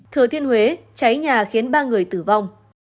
thừa thiên huế cháy nhà khiến ba người tử vong